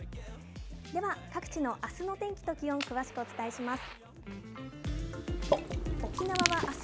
では、各地のあすの天気と気温、詳しくお伝えします。